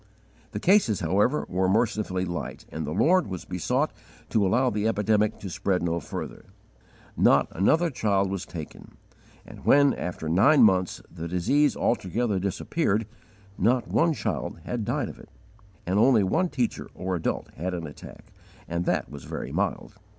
The cases, however, were mercifully light, and the Lord was besought to allow the epidemic to spread no further. Not another child was taken; and when, after nine months, the disease altogether disappeared, not one child had died of it, and only one teacher or adult had had an attack, and that was very mild.